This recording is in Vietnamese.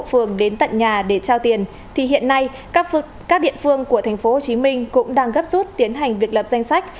phường đến tận nhà để trao tiền thì hiện nay các địa phương của tp hcm cũng đang gấp rút tiến hành việc lập danh sách